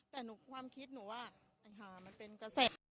แต่หนูความคิดหนูว่า